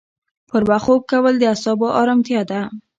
پر وخت خوب کول د اعصابو ارامتیا ده.